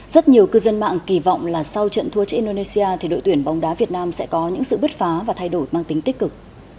rất nhiều cư dân mạng kỳ vọng là sau trận thua trước indonesia thì đội tuyển bóng đá việt nam sẽ có những sự bứt phá và thay đổi mang tính tích cực